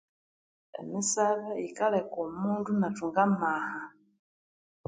Emisabe yikaleka omundu inathunga amaha